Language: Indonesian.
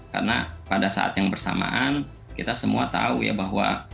karena pada saat yang bersamaan kita semua tahu ya bahwa